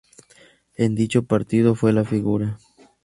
En dicho partido fue la figura.